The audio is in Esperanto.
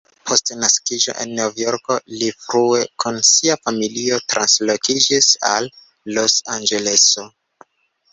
Post la naskiĝo en Novjorko, li frue kun sia familio translokiĝis al Los-Anĝeleso.